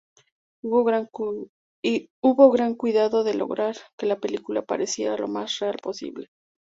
Hubo gran cuidado de lograr que la película pareciera lo más real posible.